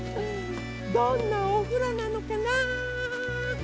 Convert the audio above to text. どんなおふろなのかな。